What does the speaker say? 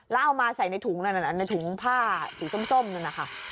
แล้วเอามาใส่ในถุงนั่นในถุงผ้าสีส้มนั่นนะคะ